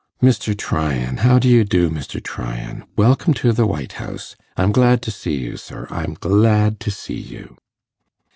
'Mr. Tryan, how do you do, Mr. Tryan? Welcome to the White House! I'm glad to see you, sir I'm glad to see you.